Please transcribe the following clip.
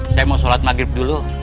saya mau sholat maghrib dulu